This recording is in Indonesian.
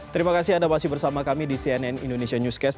terima kasih anda masih bersama kami di cnn indonesia newscast